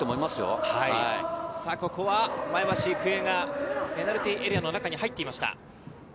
ここは前橋育英がペナルティーエリアの中に入っていました。